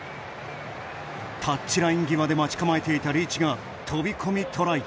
タッチライン際で待ち構えていたリーチが飛び込み、トライ。